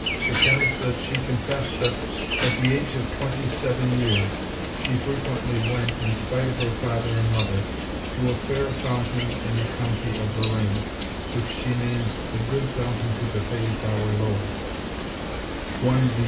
pretends that she confessed that, at the age of twenty–seven years, she frequently went, in spite of her father and mother, to a fair fountain in the county of Lorraine, which she named the "Good Fountain to the Fays Our Lord" (_Ib.